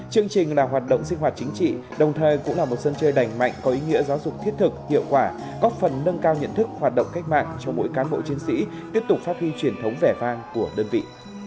chương trình là hoạt động sinh hoạt chính trị đồng thời cũng là một sân chơi đành mạnh có ý nghĩa giáo dục thiết thực hiệu quả góp phần nâng cao nhận thức hoạt động cách mạng cho mỗi cán bộ chiến sĩ tiếp tục phát huy truyền thống vẻ vang của đơn vị